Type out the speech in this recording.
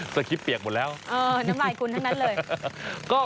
สจีบเปียกหมดแล้วเอ่อน้ำลายแล้วทั้งนั้นเลย